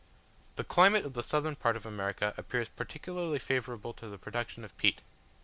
The climate of the southern part of America appears particularly favourable to the production of peat.